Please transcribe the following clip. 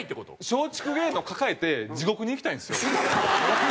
松竹芸能抱えて地獄に行きたいんですよ。